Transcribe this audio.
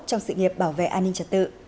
trong sự nghiệp bảo vệ an ninh trật tự